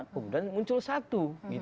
kemudian muncul satu